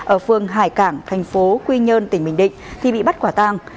ở phường hải cảng thành phố quy nhơn tỉnh bình định thì bị bắt quả tang